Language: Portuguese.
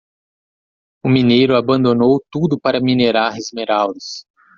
O mineiro abandonou tudo para minerar esmeraldas.